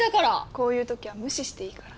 こういうときは無視していいから。